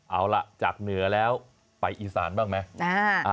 เอาล่ะจากเหนือแล้วไปอีสานบ้างไหม